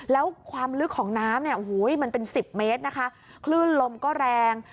แล้วความลึกของน้ำเนี่ยโอ้โหมันเป็นสิบเมตรนะคะคลื่นลมก็แรง